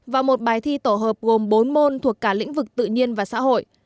và một bài thi tổ hợp gồm bốn môn thuộc cả lĩnh vực tự nhiên và xã hội